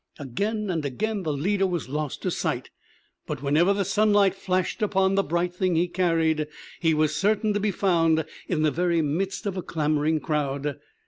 Again and again the leader was lost to sight; but whenever the sunlight flashed from the bright thing he carried, he was certain to be found in the very midst of a clamoring crowd.